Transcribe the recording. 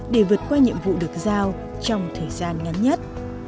để vượt qua nhiệm vụ được giao trong thời gian ngắn nhất